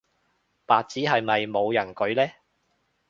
白紙係咪冇人舉嘞